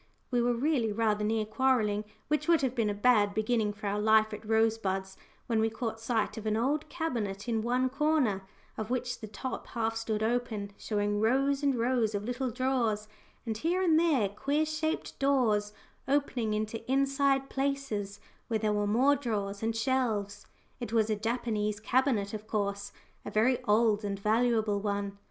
We were really rather near quarrelling, which would have been a bad beginning for our life at Rosebuds, when we caught sight of an old cabinet in one corner, of which the top half stood open, showing rows and rows of little drawers, and here and there queer shaped doors opening into inside places, where there were more drawers and shelves. It was a Japanese cabinet, of course a very old and valuable one.